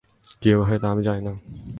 কীভাবে হয় তা আমি জানি না।